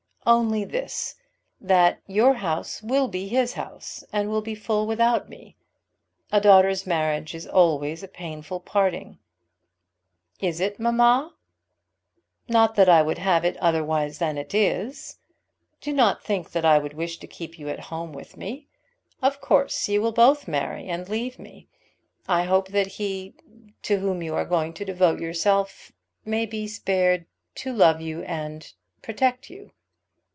"Only this, that your house will be his house, and will be full without me. A daughter's marriage is always a painful parting." "Is it, mamma?" "Not that I would have it otherwise than it is. Do not think that I would wish to keep you at home with me. Of course you will both marry and leave me. I hope that he to whom you are going to devote yourself may be spared to love you and protect you."